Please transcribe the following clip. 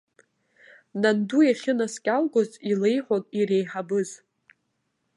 Нанду иахьынаскьалгоз илеиҳәон иреиҳабыз.